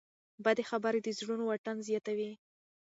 بدې خبرې د زړونو واټن زیاتوي.